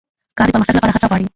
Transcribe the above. کار د پرمختګ لپاره هڅه غواړي